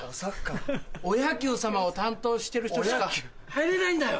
お野球様を担当してる人しか入れないんだよ！